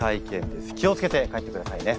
気を付けて帰ってくださいね。